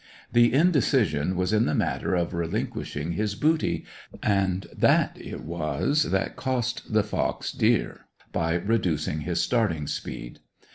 The indecision was in the matter of relinquishing his booty; and that it was which cost the fox dear by reducing his starting speed.